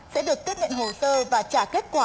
sẽ được tiếp nhận hồ sơ và trả kết quả